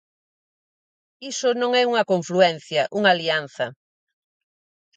Iso non é unha confluencia, unha alianza.